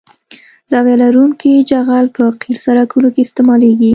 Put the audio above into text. زاویه لرونکی جغل په قیر سرکونو کې استعمالیږي